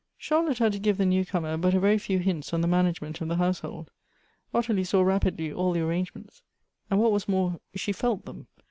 Charlotte had to give the new comer but a very few hints on the management of the household. Ottilie saw rapidly all the arrangements, and wh.at was more, she felt them.